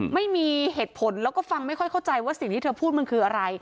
ไม่มีเหตุผลแล้วก็ฟังไม่ค่อยเข้าใจว่าสิ่งที่เธอพูดมันคืออะไร